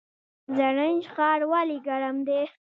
زرنج ښار ولې ګرم دی؟